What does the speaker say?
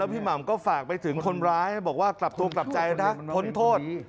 หม่ำก็ฝากไปถึงคนร้ายบอกว่ากลับตัวกลับใจนะพ้นโทษ